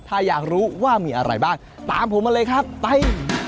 ถ้าอยากรู้ว่ามีอะไรบ้างตามผมมาเลยครับไป